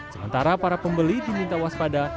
sementara para pembeli diminta waspada